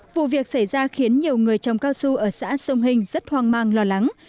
vụ việc xảy ra khiến nhiều người trồng cao su ở xã sông hình rất hoang mang lo lắng